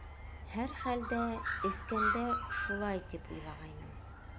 Һәр хәлдә эскәндә шулай тип уйлағайным.